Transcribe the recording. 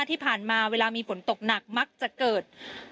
ที่ผ่านมาเวลามีฝนตกหนักมักจะเกิด